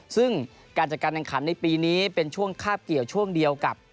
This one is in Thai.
ซึ่งการจัดการแข่งขันในปีนี้เป็นช่วงคาบเกี่ยวช่วงเดียวกับ